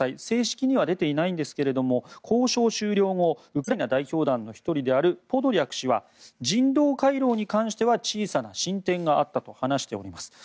正式には出ていないんですが交渉終了後ウクライナ代表団の１人であるポドリャク氏は人道回廊に関しては小さな進展があったと話しています。